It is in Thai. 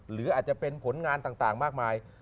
หรืออาจจะเป็นผลงานต่างมากมาย